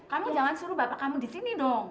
kamu jangan suruh bapak kamu di sini dong